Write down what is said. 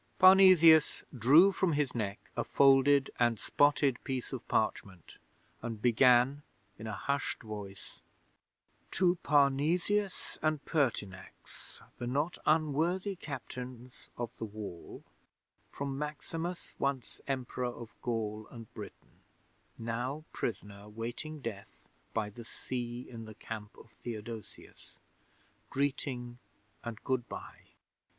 Parnesius drew from his neck a folded and spotted piece of parchment, and began in a hushed voice: '"_To Parnesius and Pertinax, the not unworthy Captains of the Wall, from Maximus, once Emperor of Gaul and Britain, now prisoner waiting death by the sea in the camp of Theodosius Greeting and Good bye!